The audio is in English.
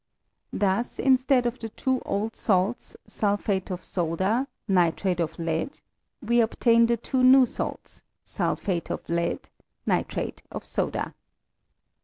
Thus, instead of the two old salts, Sulphate of soda Nitrate of lead, we obtain the two new salts, Sulphate of lead Nitrate of soda.